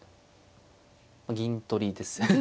銀取りです。